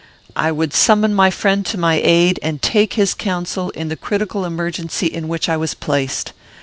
I would summon my friend to my aid, and take his counsel in the critical emergency in which I was placed.